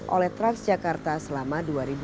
oleh trans jakarta selama dua ribu dua puluh dua